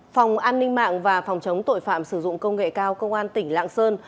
phòng an ninh mạng và phòng chống tội phạm sử dụng công nghệ cao công an tỉnh lạng sơn